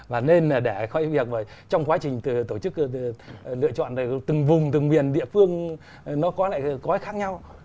và nên là để có cái việc trong quá trình tổ chức lựa chọn từng vùng từng miền địa phương nó có cái khác nhau